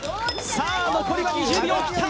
さあ残りは２０秒を切った